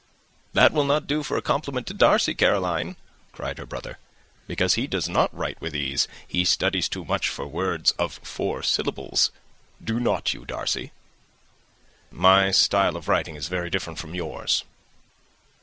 "That will not do for a compliment to Darcy, Caroline," cried her brother, "because he does not write with ease. He studies too much for words of four syllables. Do not you, Darcy?" "My style of writing is very different from yours."